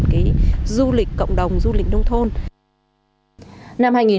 cái du lịch cộng đồng du lịch nông thôn